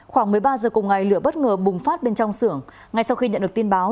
khoảng một mươi ba giờ cùng ngày lửa bất ngờ bùng phát bên trong xưởng ngay sau khi nhận được tin báo